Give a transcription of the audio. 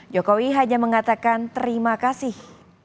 jokowi hanya mengatakan terima kasih